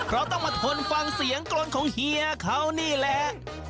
เราต้องมาทนฟังเสียงกลนของเฮียเขานี่แหละ